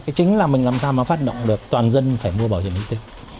chính là mình làm sao mà phát động được toàn dân phải mua bảo hiểm y tế